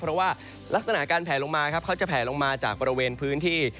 เพราะว่าลักษณะการแผลลงมาครับเขาจะแผลลงมาจากบริเวณพื้นที่